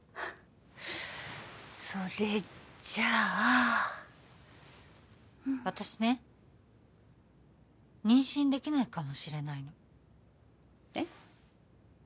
それじゃあ私ね妊娠できないかもしれないのえっ？